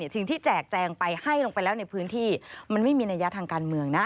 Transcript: แจกแจงไปให้ลงไปแล้วในพื้นที่มันไม่มีนัยยะทางการเมืองนะ